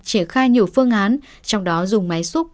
triển khai nhiều phương án trong đó dùng máy xúc